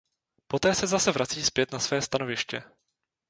Poté se zase vrací zpět na své stanoviště.